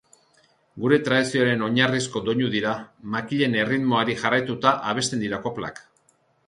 Gure tradizioaren oinarrizko doinu dira, makilen erritmoari jarraituta abesten dira koplak.